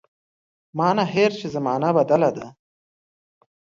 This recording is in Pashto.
مانهیر چي زمانه بدله ده